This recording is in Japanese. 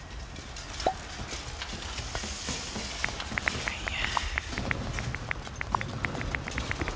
いやいや。